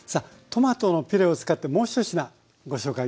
トマトのピュレを使ってもう１品ご紹介頂きます。